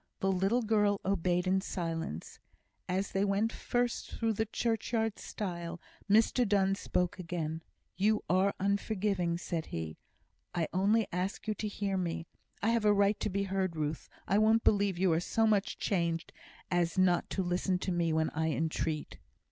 The little girl obeyed in silence. As they went first through the churchyard stile, Mr Donne spoke again. "You are unforgiving," said he. "I only ask you to hear me. I have a right to be heard, Ruth! I won't believe you are so much changed, as not to listen to me when I entreat."